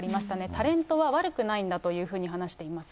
タレントは悪くないんだというふうに話しています。